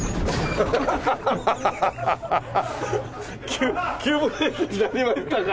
急急ブレーキになりましたが。